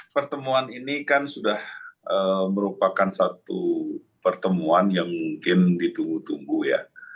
pertemuan ini kan sudah merupakan satu pertemuan yang mungkin ditunggu tunggu ya